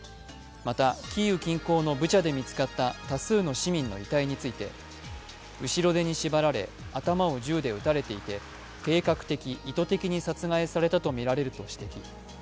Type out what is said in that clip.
またキーウ近郊のブチャで見つかった多数の市民の遺体について後ろ手に縛られ頭を銃で撃たれていて計画的・意図的に殺害されたとみられると指摘。